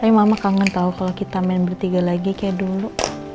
tapi mama kangen tahu kalau kita main bertiga lagi kayak dulu